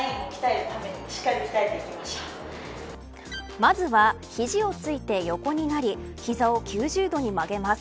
まずは、ひじをついて横になり膝を９０度に曲げます。